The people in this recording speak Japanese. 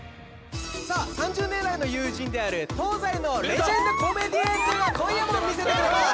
さあ３０年来の友人である東西のレジェンドコメディエンヌが今夜もみせてくれます